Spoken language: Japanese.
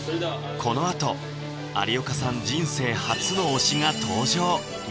このあと有岡さん人生初の推しが登場！